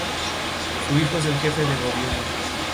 Se carece de ulteriores noticias sobre su persona.